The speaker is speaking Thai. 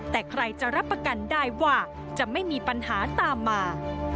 แต่ใครจะรับประกันได้ว่าจะไม่มีปัญหาตามมา